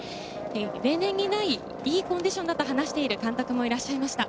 例年にない、いいコンディションだと話している監督もいらっしゃいました。